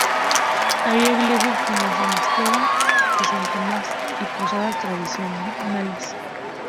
Había iglesias como San Esteban y San Thomas y posadas tradicionales.